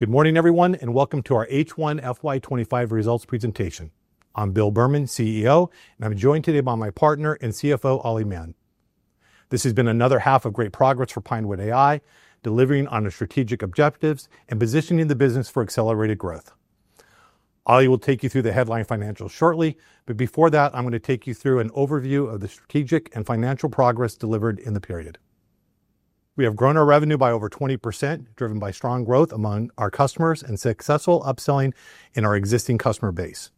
Good morning, everyone, and welcome to our H1 FY 2025 results presentation. I'm Bill Berman, CEO, and I'm joined today by my partner and CFO, Ollie Mann. This has been another half of great progress for Pinewood AI, delivering on our strategic objectives and positioning the business for accelerated growth. Ollie will take you through the headline financials shortly, but before that, I'm going to take you through an overview of the strategic and financial progress delivered in the period. We have grown our revenue by over 20%, driven by strong growth among our customers and successful upselling in our existing customer base.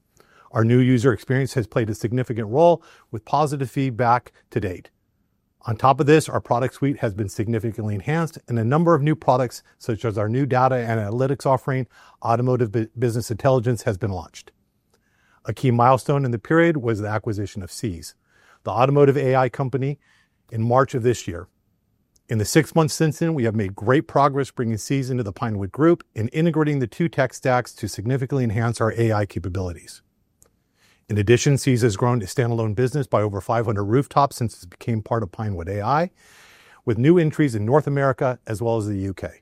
Our new user experience has played a significant role with positive feedback to date. On top of this, our product suite has been significantly enhanced, and a number of new products, such as our new data and analytics offering, Automotive Business Intelligence, have been launched. A key milestone in the period was the acquisition of Seez, the automotive AI company, in March of this year. In the six months since then, we have made great progress bringing Seez into the Pinewood Group and integrating the two tech stacks to significantly enhance our AI capabilities. In addition, Seez has grown its standalone business by over 500 rooftops since it became part of Pinewood AI with new entries in North America as well as the U.K.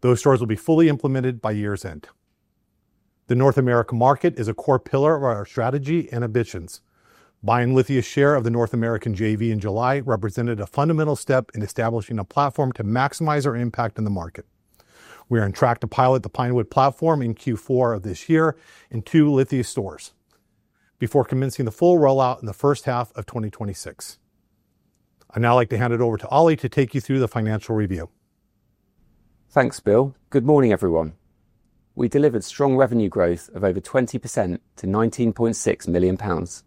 Those stores will be fully implemented by year's end. The North America market is a core pillar of our strategy and ambitions. Buying Lithia Motors' share of the North American joint venture in July represented a fundamental step in establishing a platform to maximize our impact in the market. We are on track to pilot the Pinewood platform in Q4 of this year in two Lithia stores before commencing the full rollout in the first half of 2026. I'd now like to hand it over to Ollie to take you through the financial review. Thanks, Bill. Good morning, everyone. We delivered strong revenue growth of over 20% to 19.6 million pounds.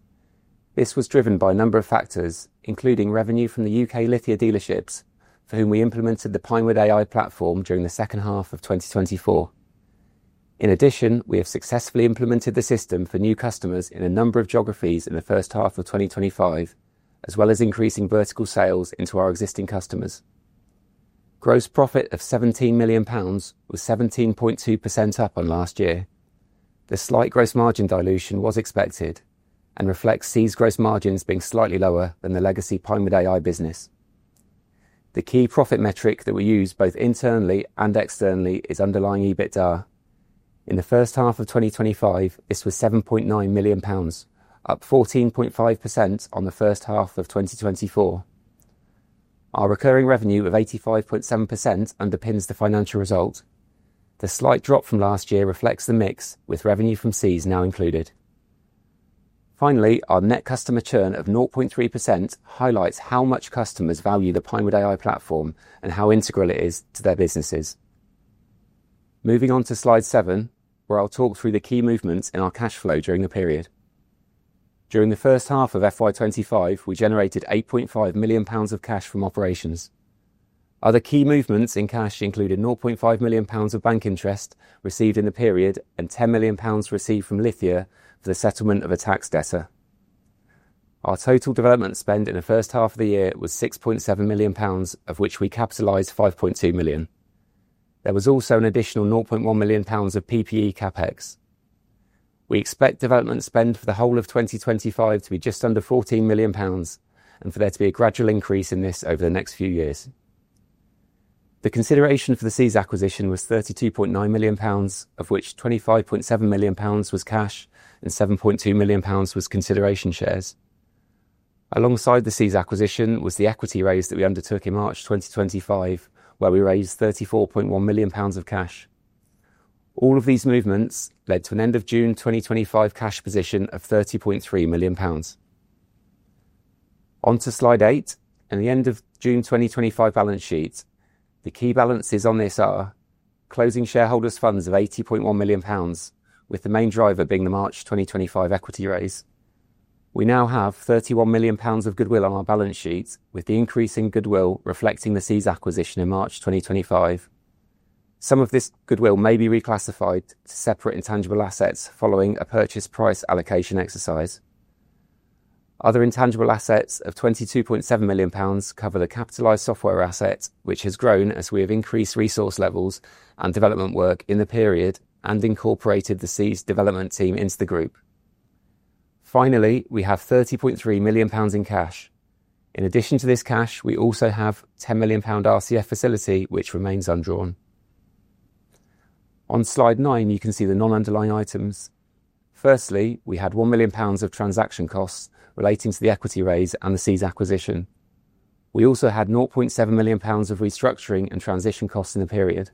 This was driven by a number of factors, including revenue from the UK Lithia dealerships, for whom we implemented the Pinewood AI platform during the second half of 2024. In addition, we have successfully implemented the system for new customers in a number of geographies in the first half of 2025, as well as increasing vertical sales into our existing customers. Gross profit of 17 million pounds was 17.2% up on last year. The slight gross margin dilution was expected and reflects Seez's gross margins being slightly lower than the legacy Pinewood AI business. The key profit metric that we use both internally and externally is underlying EBITDA. In the first half of 2025, this was 7.9 million pounds, up 14.5% on the first half of 2024. Our recurring revenue of 85.7% underpins the financial result. The slight drop from last year reflects the mix with revenue from Seez now included. Finally, our net customer churn of 0.3% highlights how much customers value the Pinewood AI platform and how integral it is to their businesses. Moving on to slide seven, where I'll talk through the key movements in our cash flow during the period. During the first half of FY 2025, we generated 8.5 million pounds of cash from operations. Other key movements in cash included 0.5 million pounds of bank interest received in the period and 10 million pounds received from Lithia for the settlement of a tax debtor. Our total development spend in the first half of the year was 6.7 million pounds, of which we capitalized 5.2 million. There was also an additional 0.1 million pounds of PPE CapEx. We expect development spend for the whole of 2025 to be just under 14 million pounds and for there to be a gradual increase in this over the next few years. The consideration for the Seez acquisition was GBP 32.9 million, of which GBP 25.7 million was cash and GBP 7.2 million was consideration shares. Alongside the Seez acquisition was the equity raise that we undertook in March 2025, where we raised 34.1 million pounds of cash. All of these movements led to an end of June 2025 cash position of 30.3 million pounds. On to slide eight and the end of June 2025 balance sheet. The key balances on this are closing shareholders' funds of 80.1 million pounds, with the main driver being the March 2025 equity raise. We now have 31 million pounds of goodwill on our balance sheet, with the increase in goodwill reflecting the Seez acquisition in March 2025. Some of this goodwill may be reclassified to separate intangible assets following a purchase price allocation exercise. Other intangible assets of 22.7 million pounds cover the capitalized software asset, which has grown as we have increased resource levels and development work in the period and incorporated the Seez development team into the group. Finally, we have 30.3 million pounds in cash. In addition to this cash, we also have a 10 million pound RCF facility, which remains undrawn. On slide nine, you can see the non-underlying items. Firstly, we had 1 million pounds of transaction costs relating to the equity raise and the Seez acquisition. We also had 0.7 million pounds of restructuring and transition costs in the period.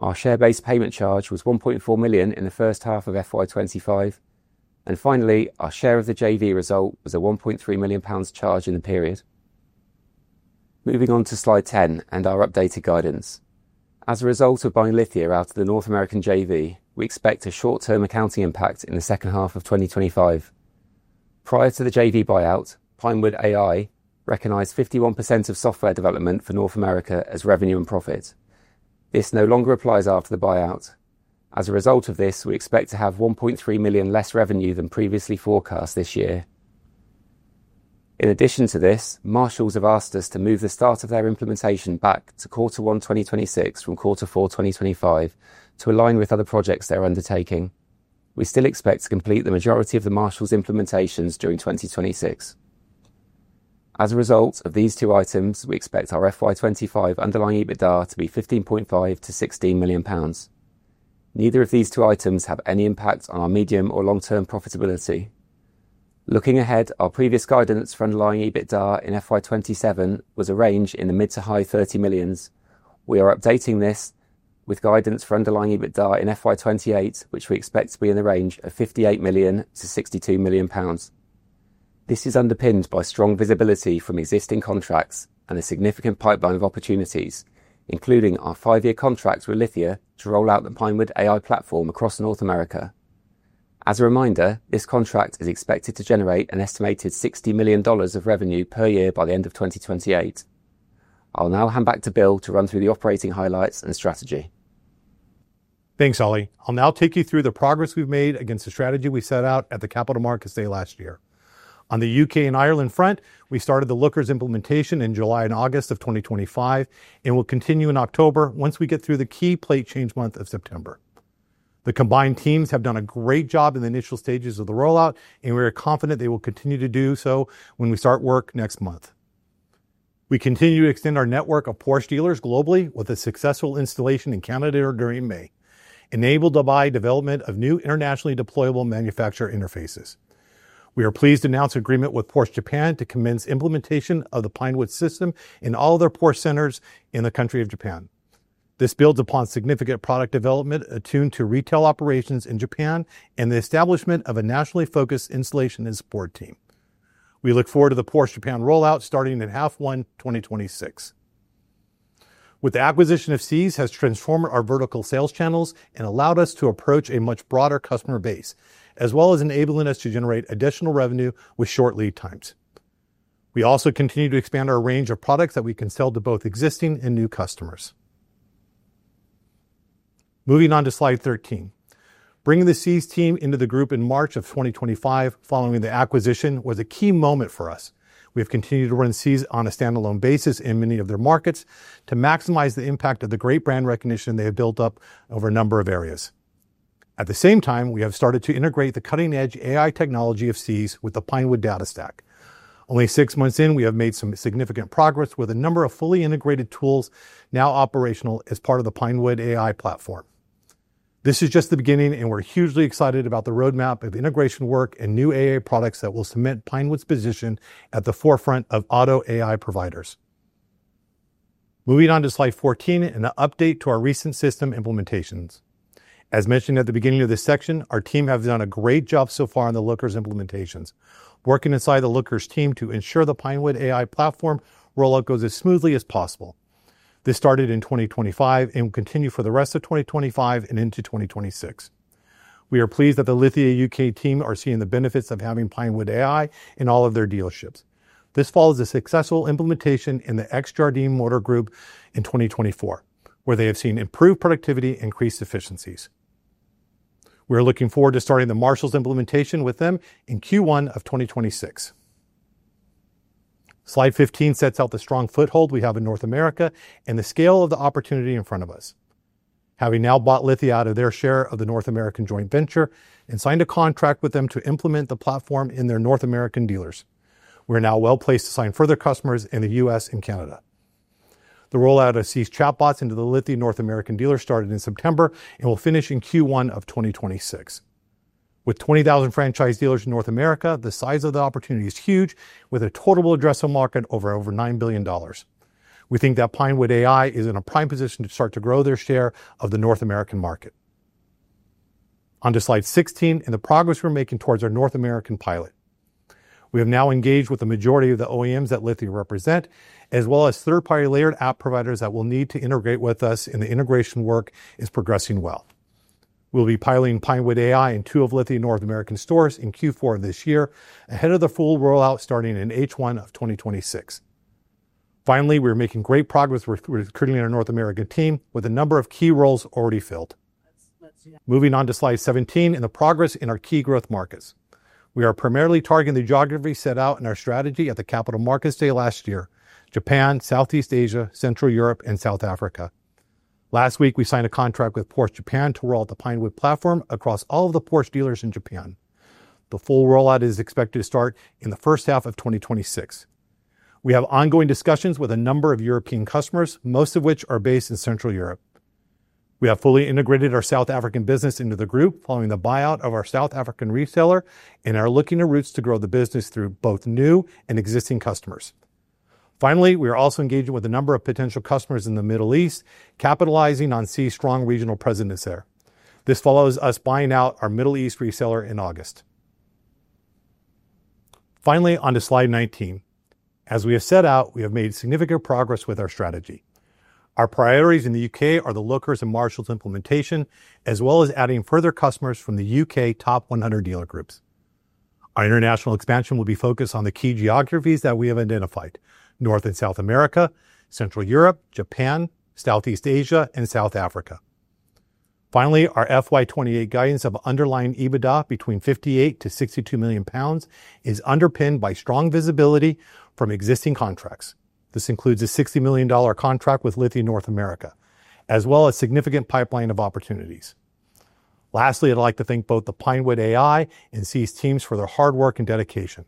Our share-based payment charge was 1.4 million in the first half of FY 2025, and finally, our share of the JV result was a 1.3 million pounds charge in the period. Moving on to slide 10 and our updated guidance. As a result of buying Lithia out of the North American joint venture, we expect a short-term accounting impact in the second half of 2025. Prior to the joint venture buyout, Pinewood AI recognized 51% of software development for North America as revenue and profit. This no longer applies after the buyout. As a result of this, we expect to have 1.3 million less revenue than previously forecast this year. In addition to this, Marshall have asked us to move the start of their implementation back to Q1 2026 from Q4 2025 to align with other projects they're undertaking. We still expect to complete the majority of the Marshall implementations during 2026. As a result of these two items, we expect our FY 2025 underlying EBITDA to be 15.5 million-16 million pounds. Neither of these two items have any impact on our medium or long-term profitability. Looking ahead, our previous guidance for underlying EBITDA in FY 2027 was a range in the mid to high 30 millions. We are updating this with guidance for underlying EBITDA in FY 2028, which we expect to be in the range of 58 million-62 million pounds. This is underpinned by strong visibility from existing contracts and a significant pipeline of opportunities, including our five-year contracts with Lithia to roll out the Pinewood AI platform across North America. As a reminder, this contract is expected to generate an estimated $60 million of revenue per year by the end of 2028. I'll now hand back to Bill to run through the operating highlights and strategy. Thanks, Ollie. I'll now take you through the progress we've made against the strategy we set out at the Capital Markets Day last year. On the U.K. and Ireland front, we started the Lookers implementation in July and August of 2025, and we'll continue in October once we get through the key plate change month of September. The combined teams have done a great job in the initial stages of the rollout, and we are confident they will continue to do so when we start work next month. We continue to extend our network of Porsche dealers globally with a successful installation in Canada during May, enabled by the development of new internationally deployable manufacturer interfaces. We are pleased to announce an agreement with Porsche Japan to commence implementation of the Pinewood system in all of their Porsche centers in the country of Japan. This builds upon significant product development attuned to retail operations in Japan and the establishment of a nationally focused installation and support team. We look forward to the Porsche Japan rollout starting in half one 2026. With the acquisition of Seez has transformed our vertical sales channels and allowed us to approach a much broader customer base, as well as enabling us to generate additional revenue with short lead times. We also continue to expand our range of products that we can sell to both existing and new customers. Moving on to slide 13. Bringing the Seez team into the group in March of 2025 following the acquisition was a key moment for us. We have continued to run Seez on a standalone basis in many of their markets to maximize the impact of the great brand recognition they have built up over a number of areas. At the same time, we have started to integrate the cutting-edge AI technology of Seez with the Pinewood Data Stack. Only six months in, we have made some significant progress with a number of fully integrated tools now operational as part of the Pinewood AI platform. This is just the beginning, and we're hugely excited about the roadmap of integration work and new AI products that will cement Pinewood's position at the forefront of auto AI providers. Moving on to slide 14 and an update to our recent system implementations. As mentioned at the beginning of this section, our team has done a great job so far in the Lookers implementations, working inside the Lookers team to ensure the Pinewood AI platform rollout goes as smoothly as possible. This started in 2025 and will continue for the rest of 2025 and into 2026. We are pleased that the Lithia U.K. team are seeing the benefits of having Pinewood AI in all of their dealerships. This follows a successful implementation in the Jardine Motor Group in 2024, where they have seen improved productivity and increased efficiencies. We are looking forward to starting the Marshall implementation with them in Q1 of 2026. Slide 15 sets out the strong foothold we have in North America and the scale of the opportunity in front of us. Having now bought Lithia out of their share of the North American joint venture and signed a contract with them to implement the platform in their North American dealers, we are now well placed to sign further customers in the U.S. and Canada. The rollout of Seez chatbots into the Lithia North American dealers started in September and will finish in Q1 of 2026. With 20,000 franchise dealers in North America, the size of the opportunity is huge, with a total addressable market of over $9 billion. We think that Pinewood AI is in a prime position to start to grow their share of the North American market. On to slide 16 and the progress we're making towards our North American pilot. We have now engaged with the majority of the OEMs that Lithia represents, as well as third-party layered app providers that will need to integrate with us, and the integration work is progressing well. We'll be piloting Pinewood AI in two of Lithia North American stores in Q4 of this year, ahead of the full rollout starting in H1 of 2026. Finally, we are making great progress recruiting our North America team with a number of key roles already filled. Moving on to slide 17 and the progress in our key growth markets. We are primarily targeting the geographies set out in our strategy at the Capital Markets Day last year: Japan, Southeast Asia, Central Europe, and South Africa. Last week, we signed a contract with Porsche Japan to roll out the Pinewood platform across all of the Porsche dealers in Japan. The full rollout is expected to start in the first half of 2026. We have ongoing discussions with a number of European customers, most of which are based in Central Europe. We have fully integrated our South African business into the group following the buyout of our South African reseller and are looking at routes to grow the business through both new and existing customers. Finally, we are also engaging with a number of potential customers in the Middle East, capitalizing on Seez' strong regional presence there. This follows us buying out our Middle East reseller in August. On to slide 19. As we have set out, we have made significant progress with our strategy. Our priorities in the U.K. are the Lookers and Marshall implementation, as well as adding further customers from the U.K. top 100 dealer groups. Our international expansion will be focused on the key geographies that we have identified: North and South America, Central Europe, Japan, Southeast Asia, and South Africa. Our FY 2028 guidance of underlying EBITDA between 58 million-62 million pounds is underpinned by strong visibility from existing contracts. This includes a $60 million contract with Lithia Motors North America, as well as a significant pipeline of opportunities. Lastly, I'd like to thank both the Pinewood AI and Seez teams for their hard work and dedication.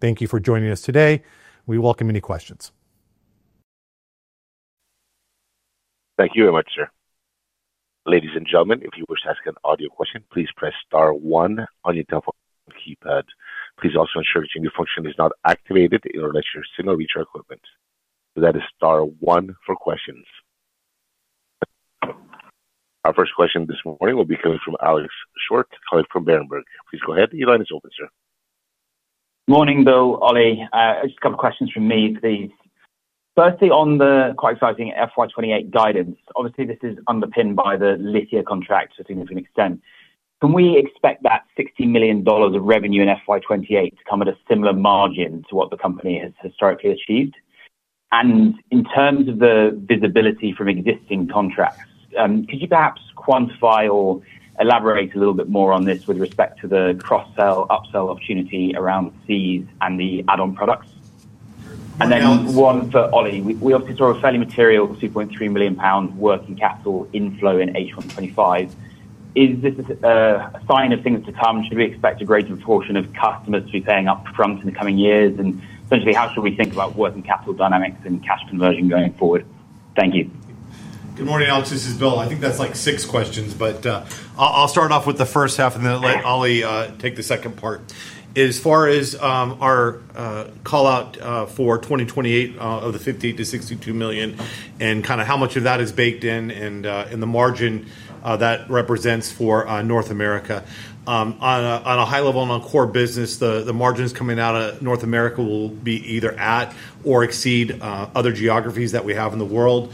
Thank you for joining us today. We welcome any questions. Thank you very much, sir. Ladies and gentlemen, if you wish to ask an audio question, please press star one on your telephone keypad. Please also ensure the change of function is not activated in relation to signal reach equipment. That is star one for questions. Our first question this morning will be coming from Alex Short, coming from Berenberg. Please go ahead, the line is open, sir. Morning, Bill, Ollie. Just a couple of questions from me, please. Firstly, on the quite exciting FY 2028 guidance, obviously this is underpinned by the Lithia contract to a significant extent. Can we expect that $60 million of revenue in FY 2028 to come at a similar margin to what the company has historically achieved? In terms of the visibility from existing contracts, could you perhaps quantify or elaborate a little bit more on this with respect to the cross-sell upsell opportunity around Seez and the add-on products? One for Ollie. We obviously saw a fairly material 2.3 million pounds working capital inflow in H1 2025. Is this a sign of things to come? Should we expect a greater proportion of customers to be paying upfront in the coming years? Essentially, how should we think about working capital dynamics and cash conversion going forward? Thank you. Good morning, Alex. This is Bill. I think that's like six questions, but I'll start off with the first half and then let Ollie take the second part. As far as our call out for 2028 of the $50 million-$62 million and kind of how much of that is baked in and in the margin that represents for North America. On a high level and on core business, the margins coming out of North America will be either at or exceed other geographies that we have in the world.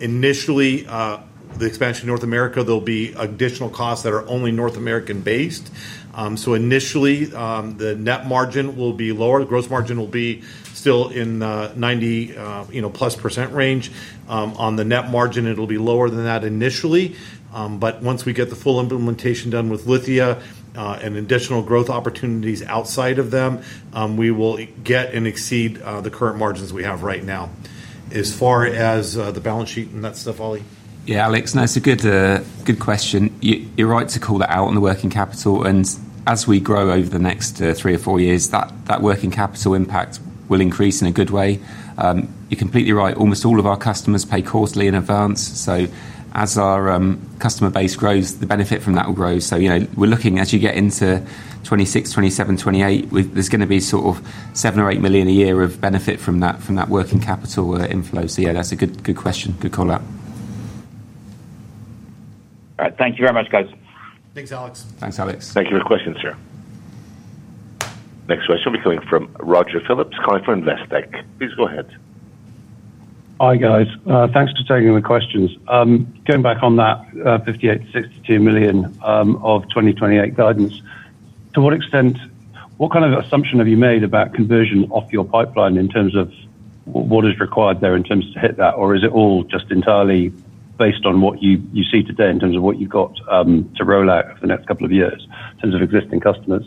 Initially, the expansion to North America, there'll be additional costs that are only North American-based. Initially, the net margin will be lower. The gross margin will be still in the 90+% range. On the net margin, it'll be lower than that initially. Once we get the full implementation done with Lithia Motors and additional growth opportunities outside of them, we will get and exceed the current margins we have right now. As far as the balance sheet and that stuff, Ollie. Yeah, Alex, nice to, good question. You're right to call that out on the working capital. You're completely right. As we grow over the next three or four years, that working capital impact will increase in a good way. Almost all of our customers pay quarterly in advance. As our customer base grows, the benefit from that will grow. You know, as you get into 2026, 2027, 2028, there's going to be sort of $7 million or $8 million a year of benefit from that working capital inflow. That's a good question. Good call out. All right, thank you very much, guys. Thanks, Alex. Thanks, Alex. Thank you for the question, sir. Next question will be coming from Roger Phillips, calling from Investec. Please go ahead. Hi, guys. Thanks for taking the questions. Going back on that $58 million-$62 million of 2028 guidance, to what extent, what kind of assumption have you made about conversion off your pipeline in terms of what is required there to hit that? Or is it all just entirely based on what you see today in terms of what you've got to roll out in the next couple of years in terms of existing customers?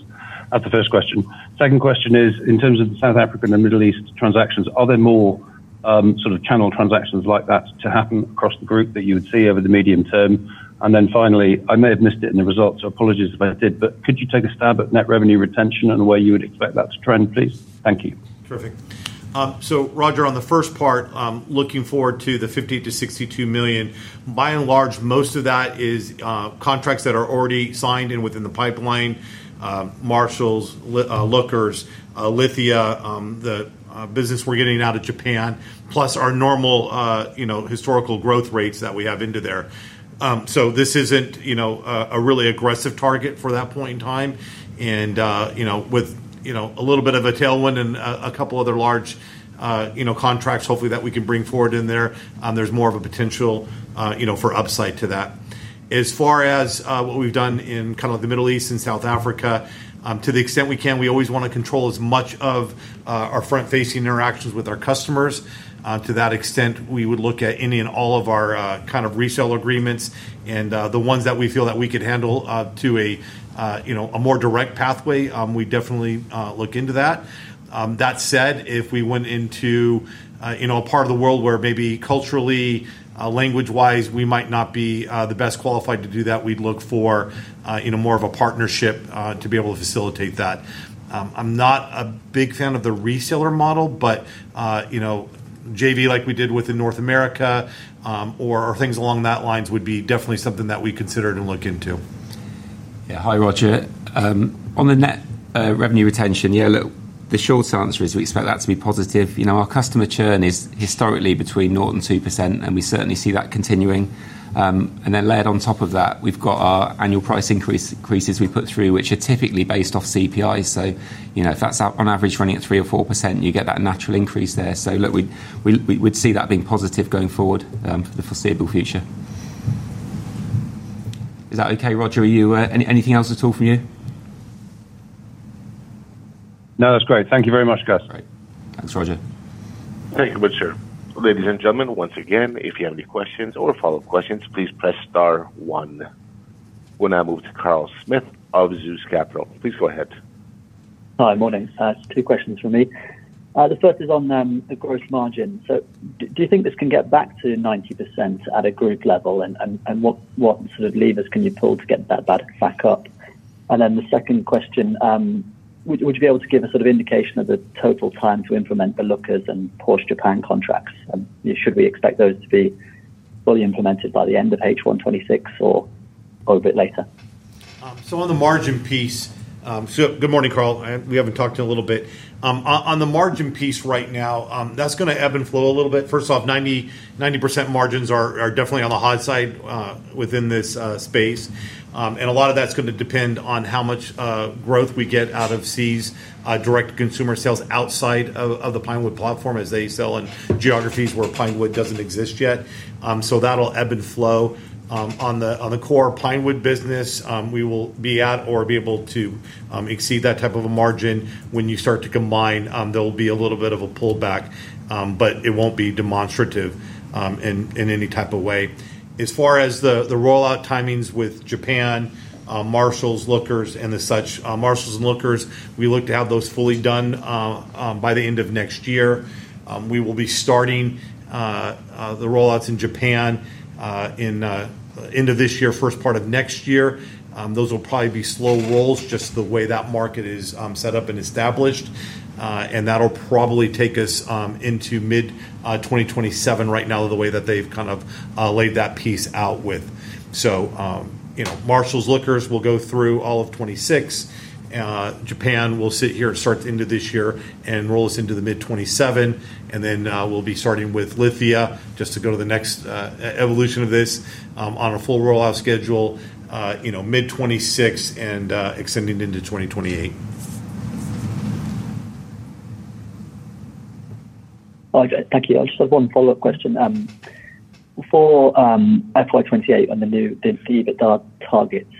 That's the first question. Second question is, in terms of the South African and Middle East transactions, are there more sort of channel transactions like that to happen across the group that you would see over the medium term? Finally, I may have missed it in the results, so apologies if I did, but could you take a stab at net revenue retention and where you would expect that to trend, please? Thank you. Terrific. Roger, on the first part, looking forward to the $50 million-$62 million, by and large, most of that is contracts that are already signed and within the pipeline. Marshall, Lookers, Lithia, the business we're getting out of Japan, plus our normal historical growth rates that we have into there. This isn't a really aggressive target for that point in time. With a little bit of a tailwind and a couple of other large contracts, hopefully that we can bring forward in there, there's more of a potential for upside to that. As far as what we've done in the Middle East and South Africa, to the extent we can, we always want to control as much of our front-facing interactions with our customers. To that extent, we would look at any and all of our resale agreements and the ones that we feel that we could handle to a more direct pathway. We definitely look into that. That said, if we went into a part of the world where maybe culturally, language-wise, we might not be the best qualified to do that, we'd look for more of a partnership to be able to facilitate that. I'm not a big fan of the reseller model, but a joint venture like we did within North America or things along those lines would be definitely something that we considered and looked into. Yeah, hi Roger. On the net revenue retention, yeah, look, the short answer is we expect that to be positive. Our customer churn is historically between 0% and 2%, and we certainly see that continuing. Layered on top of that, we've got our annual price increases we put through, which are typically based off CPI. If that's on average running at 3% or 4%, you get that natural increase there. We would see that being positive going forward for the foreseeable future. Is that okay, Roger? Anything else at all for you? No, that's great. Thank you very much, guys. Thanks, Roger. Thank you very much, sir. Ladies and gentlemen, once again, if you have any questions or follow-up questions, please press star one. We now move to Carl Smith of Zeus Capital. Please go ahead. Hi, morning. Two questions from me. The first is on gross margin. Do you think this can get back to 90% at a group level? What sort of levers can you pull to get that back up? The second question, would you be able to give a sort of indication of the total time to implement the Lookers and Porsche Japan contracts? Should we expect those to be fully implemented by the end of H1 2026 or a bit later? On the margin piece, good morning, Carl. We haven't talked in a little bit. On the margin piece right now, that's going to ebb and flow a little bit. First off, 90% margins are definitely on the hot side within this space. A lot of that's going to depend on how much growth we get out of Seez' direct to consumer sales outside of the Pinewood platform as they sell in geographies where Pinewood doesn't exist yet. That'll ebb and flow. On the core Pinewood business, we will be at or be able to exceed that type of a margin. When you start to combine, there'll be a little bit of a pullback, but it won't be demonstrative in any type of way. As far as the rollout timings with Japan, Marshall, Lookers, and the such, Marshall and Lookers, we look to have those fully done by the end of next year. We will be starting the rollouts in Japan at the end of this year, first part of next year. Those will probably be slow rolls just the way that market is set up and established. That'll probably take us into mid-2027 right now, the way that they've kind of laid that piece out. Marshall and Lookers will go through all of 2026. Japan will start at the end of this year and roll us into mid-2027. We will be starting with Lithia just to go to the next evolution of this on a full rollout schedule, mid-2026 and extending into 2028. Thank you, Alex. I just have one follow-up question. For FY 2028 and the new EBITDA targets,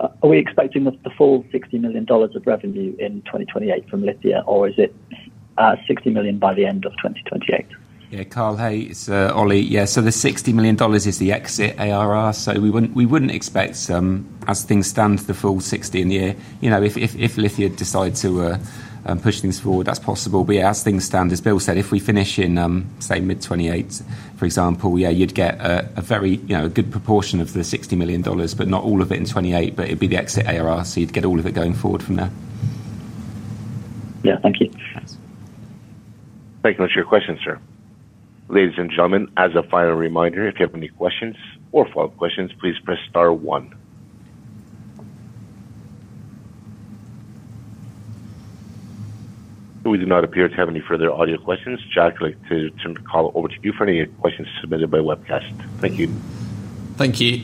are we expecting the full $60 million of revenue in 2028 from Lithia, or is it $60 million by the end of 2028? Yeah, Carl, hey, it's Ollie. The $60 million is the exit ARR. We wouldn't expect, as things stand, the full $60 million in the year. If Lithia decides to push things forward, that's possible. As things stand, as Bill said, if we finish in, say, mid-2028, for example, you'd get a very good proportion of the $60 million, but not all of it in 2028. It'd be the exit ARR, so you'd get all of it going forward from there. Thank you. That's your question, sir. Ladies and gentlemen, as a final reminder, if you have any questions or follow-up questions, please press star one. We do not appear to have any further audio questions. Jack, I'd like to turn the call over to you for any questions submitted by webcast. Thank you. Thank you.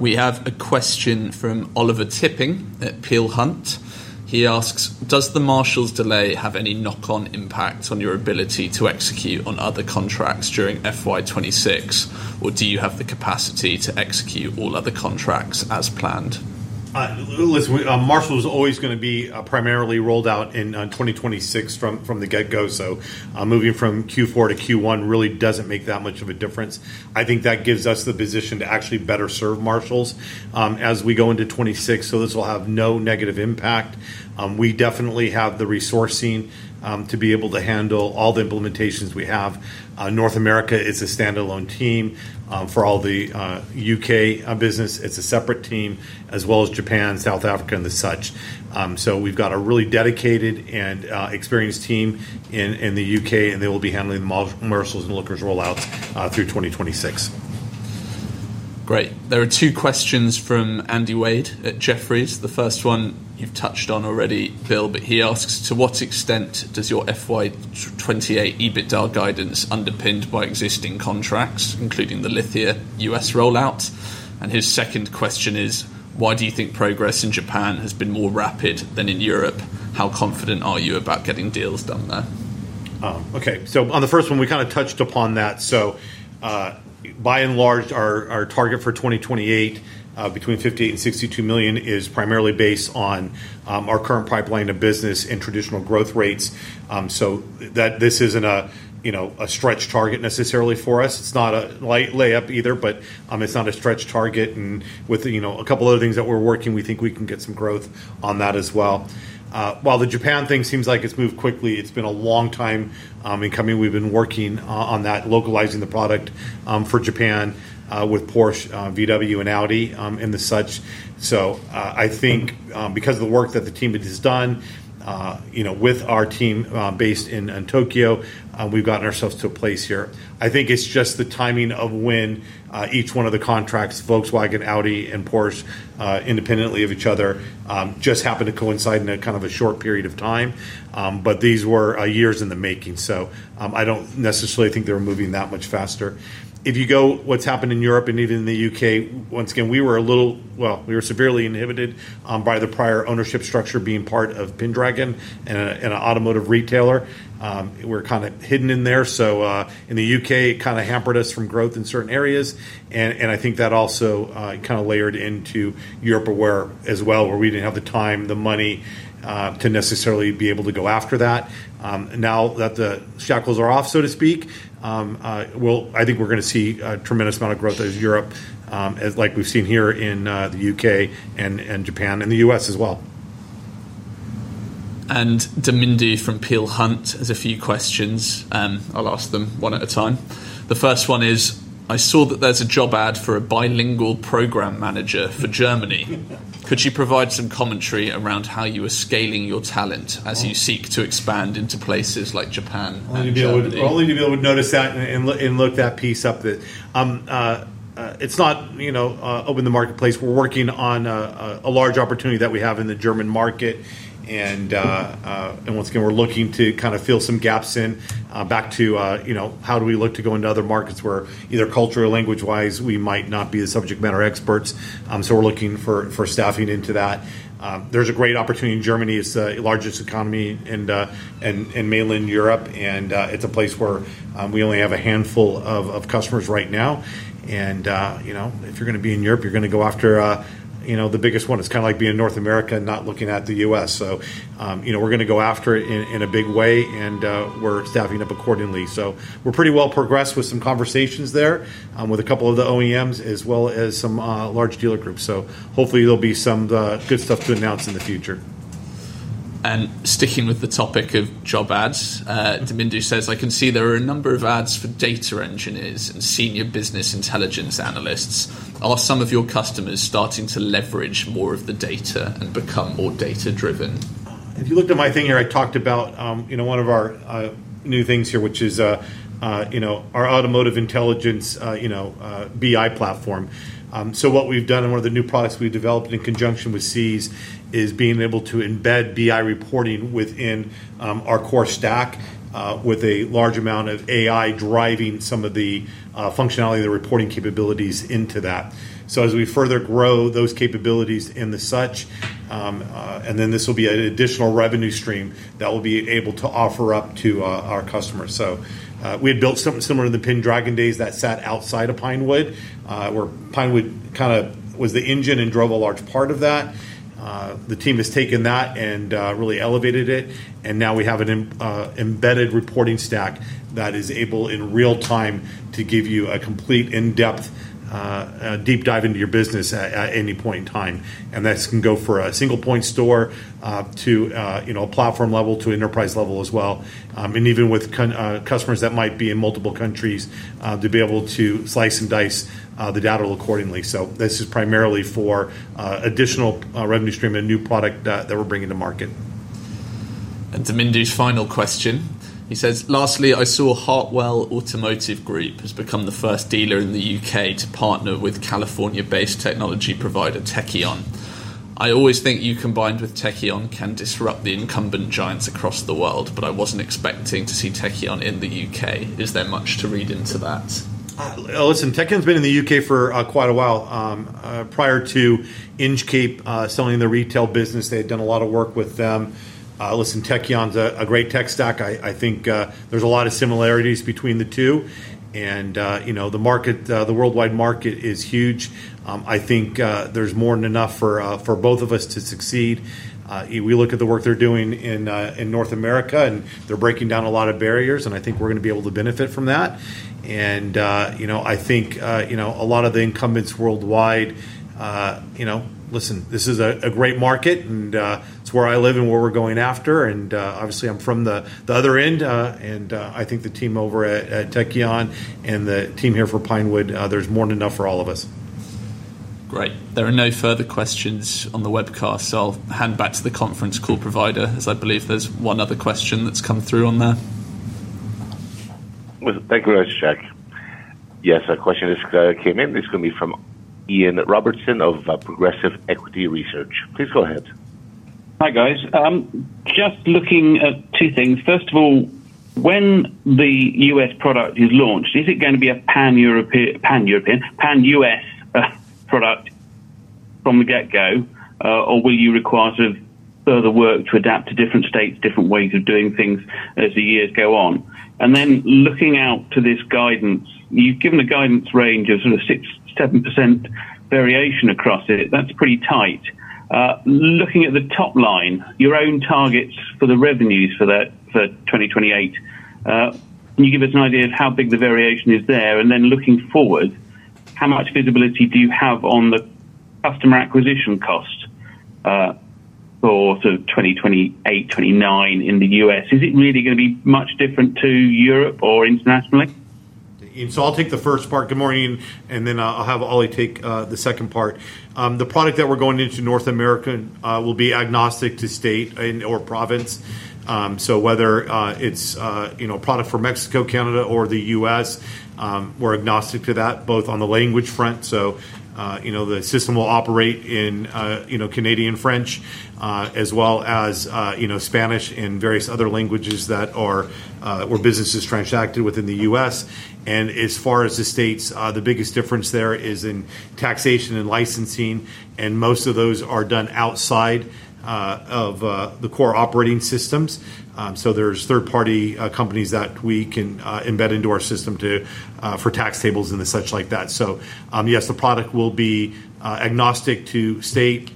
We have a question from Oliver Tipping at Peel Hunt. He asks, does the Marshall Motor Group delay have any knock-on impact on your ability to execute on other contracts during FY26, or do you have the capacity to execute all other contracts as planned? Group is always going to be primarily rolled out in 2026 from the get-go. Moving from Q4 to Q1 really doesn't make that much of a difference. I think that gives us the position to actually better serve Marshall as we go into 2026. This will have no negative impact. We definitely have the resourcing to be able to handle all the implementations we have. North America is a standalone team for all the U.K. business. It's a separate team, as well as Japan, South Africa, and the such. We've got a really dedicated and experienced team in the U.K., and they will be handling the Marshall and Lookers rollout through 2026. Great. There are two questions from Andy Wade at Jefferies. The first one you've touched on already, Bill, but he asks, to what extent does your FY 2028 EBITDA guidance underpin by existing contracts, including the Lithia U.S. rollout? His second question is, why do you think progress in Japan has been more rapid than in Europe? How confident are you about getting deals done there? Oh, okay. On the first one, we kind of touched upon that. By and large, our target for 2028, between 58 million and 62 million, is primarily based on our current pipeline of business and traditional growth rates. This isn't a stretch target necessarily for us. It's not a light layup either, but it's not a stretch target. With a couple of other things that we're working, we think we can get some growth on that as well. While the Japan thing seems like it's moved quickly, it's been a long time in coming. We've been working on that, localizing the product for Japan with Porsche, Volkswagen, and Audi and the such. I think because of the work that the team has done with our team based in Tokyo, we've gotten ourselves to a place here. I think it's just the timing of when each one of the contracts, Volkswagen, Audi, and Porsche, independently of each other, just happened to coincide in a kind of a short period of time. These were years in the making. I don't necessarily think they were moving that much faster. If you go what's happened in Europe and even in the U.K., once again, we were a little, well, we were severely inhibited by the prior ownership structure being part of Pendragon and an automotive retailer. We're kind of hidden in there. In the U.K., it kind of hampered us from growth in certain areas. I think that also kind of layered into Europe as well, where we didn't have the time, the money to necessarily be able to go after that. Now that the shackles are off, so to speak, I think we're going to see a tremendous amount of growth out of Europe, as like we've seen here in the U.K. and Japan and the U.S. as well. Domindi from Peel Hunt has a few questions. I'll ask them one at a time. The first one is, I saw that there's a job ad for a bilingual Program Manager for Germany. Could you provide some commentary around how you are scaling your talent as you seek to expand into places like Japan? Only to be able to notice that and look that piece up. It's not, you know, open to the marketplace. We're working on a large opportunity that we have in the German market. Once again, we're looking to kind of fill some gaps in back to, you know, how do we look to go into other markets where either culture or language-wise, we might not be the subject matter experts. We're looking for staffing into that. There's a great opportunity in Germany. It's the largest economy in mainland Europe, and it's a place where we only have a handful of customers right now. If you're going to be in Europe, you're going to go after, you know, the biggest one. It's kind of like being in North America and not looking at the U.S. We're going to go after it in a big way, and we're staffing up accordingly. We're pretty well progressed with some conversations there with a couple of the OEMs as well as some large dealer groups. Hopefully there'll be some good stuff to announce in the future. Sticking with the topic of job ads, Domindi says, I can see there are a number of ads for data engineers and Senior Business Intelligence Analysts. Are some of your customers starting to leverage more of the data and become more data-driven? If you looked at my thing here, I talked about, you know, one of our new things here, which is, you know, our Automotive Intelligence, you know, BI platform. What we've done in one of the new products we've developed in conjunction with Seez is being able to embed BI reporting within our core stack with a large amount of AI driving some of the functionality and the reporting capabilities into that. As we further grow those capabilities and the such, this will be an additional revenue stream that will be able to offer up to our customers. We had built something similar in the Pendragon days that sat outside of Pinewood, where Pinewood kind of was the engine and drove a large part of that. The team has taken that and really elevated it. Now we have an embedded reporting stack that is able in real time to give you a complete in-depth deep dive into your business at any point in time. This can go from a single point store to a platform level to enterprise level as well. Even with customers that might be in multiple countries, they'll be able to slice and dice the data accordingly. This is primarily for additional revenue stream and a new product that we're bringing to market. Domindi's final question. He says, lastly, I saw Hartwell Automotive Group has become the first dealer in the U.K. to partner with California-based technology provider Techion. I always think you combined with Techion can disrupt the incumbent giants across the world, but I wasn't expecting to see Techion in the U.K. Is there much to read into that? Techion's been in the U.K. for quite a while. Prior to Inchcape selling the retail business, they had done a lot of work with them. Techion's a great tech stack. I think there's a lot of similarities between the two. The market, the worldwide market is huge. I think there's more than enough for both of us to succeed. We look at the work they're doing in North America, and they're breaking down a lot of barriers. I think we're going to be able to benefit from that. A lot of the incumbents worldwide, this is a great market, and it's where I live and where we're going after. Obviously, I'm from the other end, and I think the team over at Techion and the team here for Pinewood, there's more than enough for all of us. Great. There are no further questions on the webcast, so I'll hand back to the conference call provider, as I believe there's one other question that's come through on there. Thank you very much, Jack. Yes, a question just came in. It's going to be from Ian Robertson of Progressive Equity Research. Please go ahead. Hi, guys. I'm just looking at two things. First of all, when the U.S. product is launched, is it going to be a pan-European, pan-U.S. product from the get-go, or will you require further work to adapt to different states, different ways of doing things as the years go on? Looking out to this guidance, you've given a guidance range of 6%-7% variation across it. That's pretty tight. Looking at the top line, your own targets for the revenues for that for 2028, can you give us an idea of how big the variation is there? Looking forward, how much visibility do you have on the customer acquisition cost for 2028, 2029 in the U.S.? Is it really going to be much different to Europe or internationally? I'll take the first part. Good morning, Ian. I'll have Ollie take the second part. The product that we're going into North America with will be agnostic to state and/or province. Whether it's a product for Mexico, Canada, or the U.S., we're agnostic to that, both on the language front. The system will operate in Canadian-French, as well as Spanish and various other languages that are where business is transacted within the U.S. As far as the states, the biggest difference there is in taxation and licensing, and most of those are done outside of the core operating systems. There are third-party companies that we can embed into our system for tax tables and such like that. Yes, the product will be agnostic to state,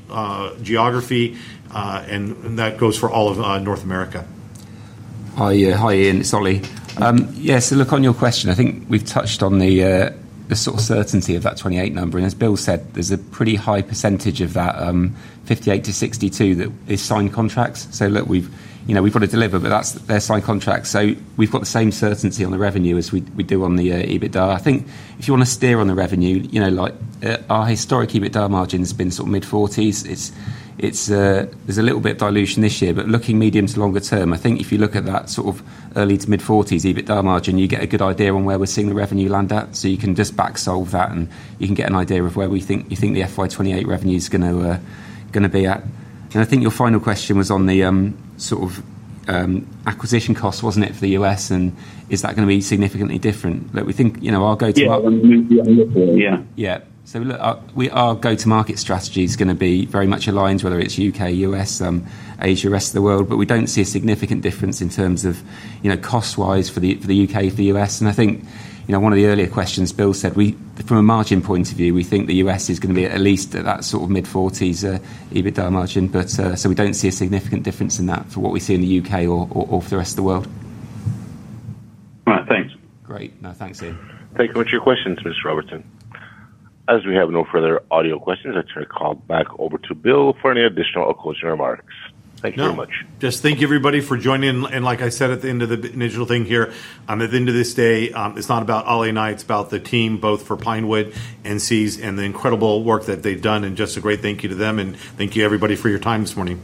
geography, and that goes for all of North America. Yeah, hi Ian, it's Ollie. On your question, I think we've touched on the sort of certainty of that 28 number. As Bill said, there's a pretty high % of that 58-62 that is signed contracts. We've got to deliver, but that's their signed contracts. We've got the same certainty on the revenue as we do on the EBITDA. If you want to steer on the revenue, our historic EBITDA margins have been sort of mid-40%. There's a little bit of dilution this year, but looking medium to longer term, if you look at that sort of early to mid-40% EBITDA margin, you get a good idea on where we're seeing the revenue land at. You can just backsolve that and get an idea of where we think you think the FY 2028 revenue is going to be at. I think your final question was on the sort of acquisition cost for the U.S. and is that going to be significantly different. We think our go-to market strategy is going to be very much aligned whether it's U.K., U.S., Asia, rest of the world. We don't see a significant difference in terms of cost-wise for the UK, for the U.S. One of the earlier questions, Bill said, from a margin point of view, we think the U.S. is going to be at least at that sort of mid-40% EBITDA margin. We don't see a significant difference in that for what we see in the U.K. or for the rest of the world. Thanks. Great. No, thanks Ian. Thank you so much for your questions, Mr. Robertson. As we have no further audio questions, I'll turn the call back over to Bill for any additional closing remarks. Thank you very much. Thank you everybody for joining. Like I said at the end of the initial thing here, at the end of this day, it's not about Ollie and I, it's about the team, both for Pinewood and Seez and the incredible work that they've done. A great thank you to them, and thank you everybody for your time this morning.